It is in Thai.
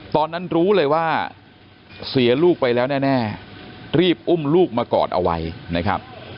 ตอนนั้นรู้เลยว่าเสียลูกไปแล้วแน่รีบอุ้มลูกมากอดเอาไว้นะครับ